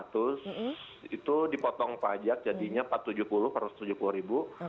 kalau yang anggota itu lima ratus itu dipotong pajak jadinya empat ratus tujuh puluh empat ratus tujuh puluh ribu